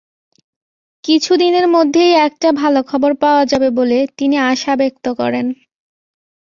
কিছুদিনের মধ্যেই একটা ভালো খবর পাওয়া যাবে বলে তিনি আশা ব্যক্ত করেন।